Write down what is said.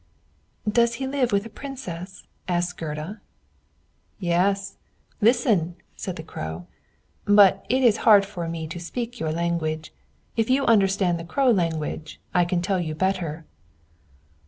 "Does he live with a princess?" asked Gerda. "Yes, listen," said the Crow; "but it is hard for me to speak your language. If you understand the Crow language, I can tell you better."